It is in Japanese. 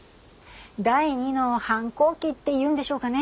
第二の反抗期っていうんでしょうかね。